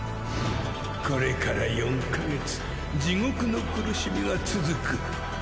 これから４か月地獄の苦しみが続く。